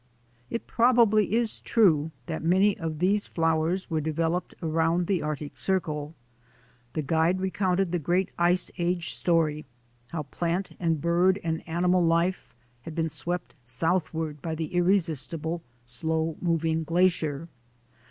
It probably is true that many of these flowers were developed around the Arctic Circle. The guide recounted the great Ice Age story — how A DAY WITH A NATURE GUIDE 191 plant and bird and animal life had been swept southward by the irresistible, slow moving glacier.